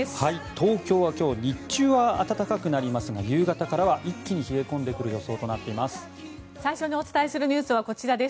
東京は今日、日中は暖かくなりますが夕方からは一気に冷え込んでくる予想となっています。